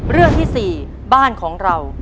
เรื่องที่๔บ้านของเรา